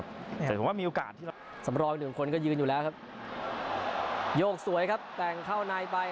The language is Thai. ผ่านเข้าในอื้อหือยังสกัดเอาไว้